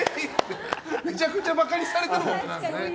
めちゃくちゃバカにされてるもんね。